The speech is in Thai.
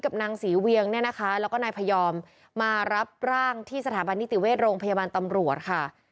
นางศรีเวียงเนี่ยนะคะแล้วก็นายพยอมมารับร่างที่สถาบันนิติเวชโรงพยาบาลตำรวจค่ะ